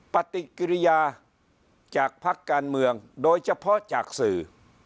ปฏิกิริยาจากพักการเมืองโดยเฉพาะจากสื่อ